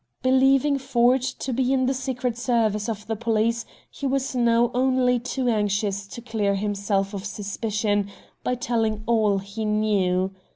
Believing Ford to be in the secret service of the police, he was now only too anxious to clear himself of suspicion by telling all he knew.